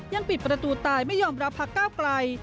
ยังปิดประตูตายไม่ยอมรับพักก้าวไกล